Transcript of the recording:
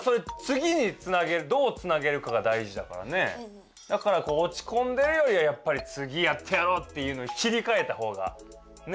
でもまあだからこうおちこんでるよりはやっぱり次やってやろうっていうのに切りかえたほうがね？